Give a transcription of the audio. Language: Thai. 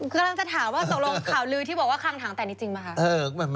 กำลังจะถามว่าตกลงข่าวลือที่บอกว่าคลังถังแตกนี้จริงป่ะคะ